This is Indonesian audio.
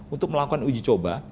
untuk melakukan uji coba